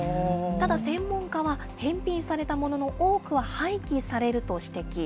ただ、専門家は、返品されたものの多くは廃棄されると指摘。